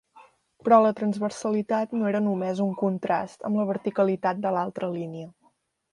Però la transversalitat no era només un contrast amb la verticalitat de l'altra línia.